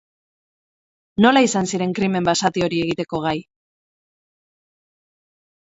Nola izan ziren krimen basati hori egiteko gai?